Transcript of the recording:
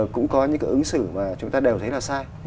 cũng có những cái ứng xử mà chúng ta đều thấy là sai